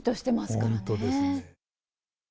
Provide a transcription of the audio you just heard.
本当ですね。